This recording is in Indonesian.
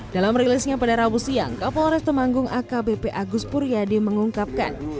dalam rilisnya pada rabu siang kapolres temanggung akbp agus puryadi mengungkapkan